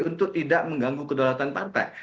untuk tidak mengganggu kedaulatan partai